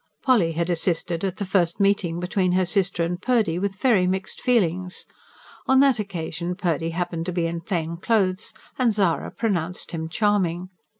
Polly had assisted at the first meeting between her sister and Purdy with very mixed feelings. On that occasion Purdy happened to be in plain clothes, and Zara pronounced him charming.